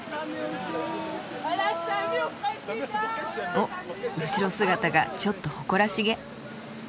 おっ後ろ姿がちょっと誇らしげ。